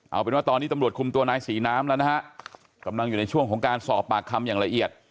เอาเป็นว่าตอนนี้ตำรวจคุมตัวนายศรีน้ำแล้วนะฮะกำลังอยู่ในช่วงของการสอบปากคำอย่างละเอียด